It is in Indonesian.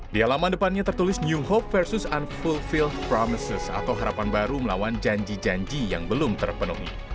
di alaman depannya tertulis new hope versus unfulfill promices atau harapan baru melawan janji janji yang belum terpenuhi